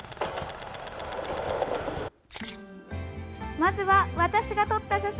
まずは、私が撮った写真。